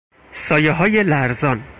سایههای لرزان